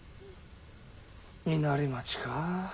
稲荷町かあ。